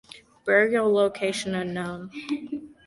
Burial location unknown.